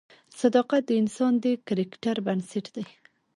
صداقت د انسان د کرکټر بنسټ دی.